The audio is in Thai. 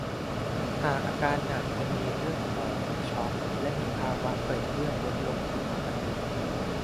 หากอาการหนักจะมีเลือดออก ช็อก และมีภาวะเกล็ดเลือดลดลงผิดปกติ